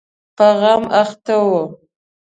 په غم اخته و.